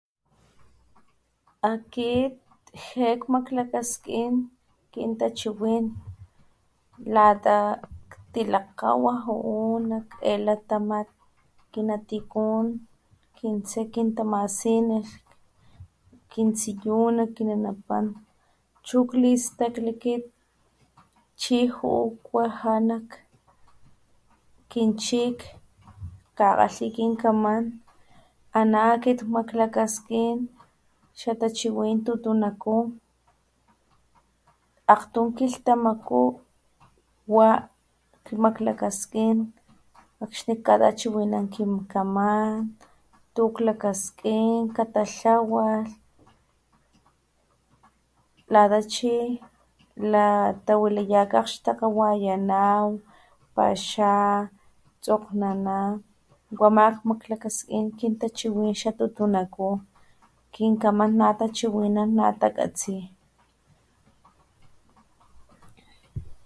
Akit jé kmaklakaskin kintachiwin tutunaku kintachiwin lata ktilakgawa nak jae latamat kinatikun kintse kitamasinilh kintsiyuna kinapapan chu klistakli kit chi juu kuaja nak kin chik kakgalhi kinkaman ana akit kmaklakaskin xatachiwin tutunaku akgtun kilhtamaku wa maklakaskin akxni kkatachiwinan kinkaman tu klakaskin tu katatlawalh lata chi latawilaya nak akgxtakga akxni wayana , paxa tsokgnana wa ama maklakaskin kin tachiwinan xa tutunaku kinkaman natachiwinana natakatsi.